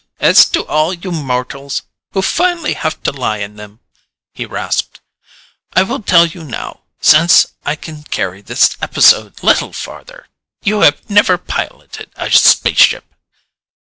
"As do all you mortals who finally have to lie in them," he rasped. "I will tell you now, since I can carry this episode little farther. You have never piloted a spaceship."